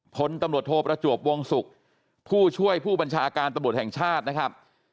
พลตำรวจโทประจวบวงศุกร์ผู้ช่วยผู้บัญชาการตำรวจแห่งชาตินะครับ